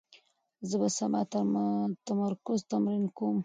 زه به سبا د تمرکز تمرین کوم.